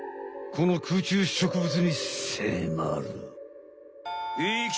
この空中植物にせまる！